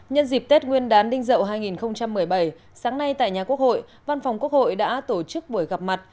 nhân dịp tết nguyên đán đinh dậu hai nghìn một mươi bảy sáng nay tại nhà quốc hội văn phòng quốc hội đã tổ chức buổi gặp mặt